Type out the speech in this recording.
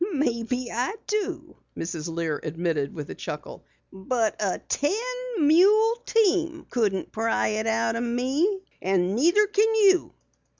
"Maybe I do," Mrs. Lear admitted with a chuckle. "But a ten mule team couldn't pry it out o' me, and neither can you!"